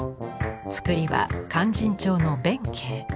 つくりは「勧進帳」の弁慶。